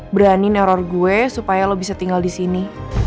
beranin error gue supaya lo bisa tinggal di sini